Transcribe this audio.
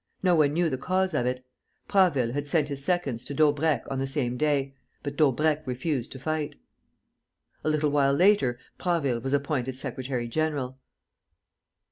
No one knew the cause of it. Prasville had sent his seconds to Daubrecq on the same day; but Daubrecq refused to fight. A little while later, Prasville was appointed secretary general.